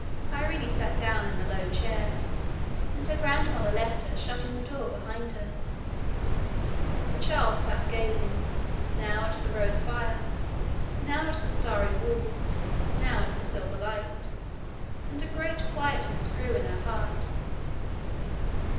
Irene sat down in the low chair, and her grandmother left her, shutting the door behind her. The child sat gazing, now at the rose fire, now at the starry walls, now at the silver light; and a great quietness grew in her heart.